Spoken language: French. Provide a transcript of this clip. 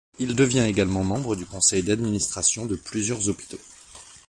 Il devient également membre du conseil d'administration de plusieurs hôpitaux.